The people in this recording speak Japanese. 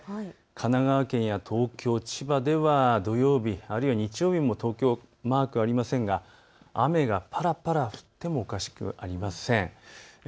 神奈川県や東京、千葉では土曜日、あるいは日曜日も東京はマークはありませんが雨がぱらぱら降ってもおかしくありません。